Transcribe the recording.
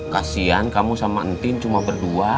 kasian kamu sama entin cuma berdua